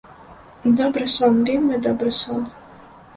Добры сон, вельмі добры сон!